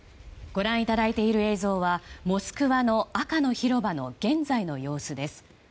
ご覧いただいている映像はモスクワの赤の広場の現在の様子です。